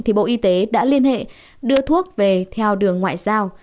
thì bộ y tế đã liên hệ đưa thuốc về theo đường ngoại giao